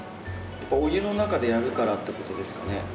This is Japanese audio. やっぱお湯の中でやるからってことですかね？